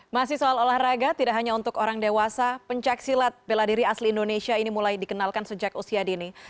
masih soal olahraga tidak hanya untuk orang dewasa pencaksilat bela diri asli indonesia ini mulai dikenalkan sejak usia dini